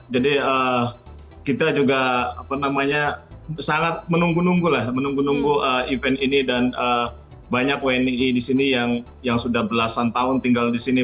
jadi kita juga apa namanya sangat menunggu nunggu lah menunggu nunggu event ini dan banyak wni disini yang sudah belasan tahun tinggal disini